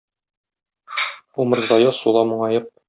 Умырзая сула моңаеп...